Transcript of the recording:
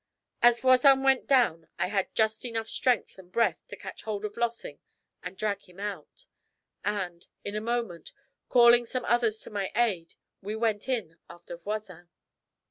As Voisin went down I had just enough strength and breath to catch hold of Lossing and drag him out; and, in a moment, calling some others to my aid, we went in after Voisin.